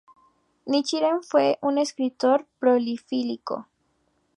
Nichiren fue un escritor prolífico.